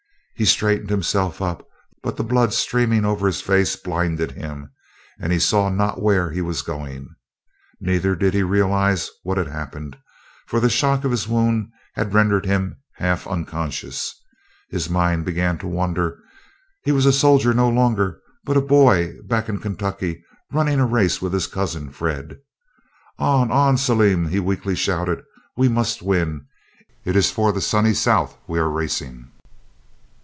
He straightened himself up, but the blood streaming over his face blinded him, and he saw not where he was going. Neither did he realize what had happened, for the shock of his wound had rendered him half unconscious. His mind began to wander. He was a soldier no longer, but a boy back in Kentucky running a race with his cousin Fred. "On! on! Salim," he weakly shouted; "we must win, it is for the Sunny South we are racing."